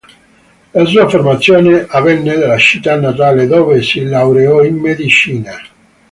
La sua formazione avvenne nella città natale, dove si laureò in medicina.